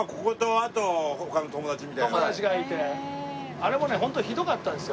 あれもねホントひどかったんですよ。